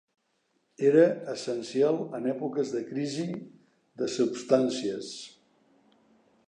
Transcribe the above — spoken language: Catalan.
Era essencial en èpoques de crisis de substàncies.